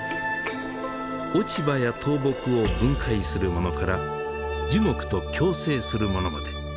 落ち葉や倒木を分解するものから樹木と共生するものまで。